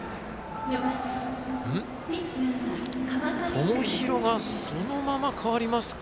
友廣がそのまま代わりますか。